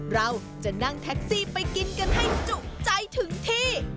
เราจะนั่งแท็กซี่ไปกินกันให้จุใจถึงที่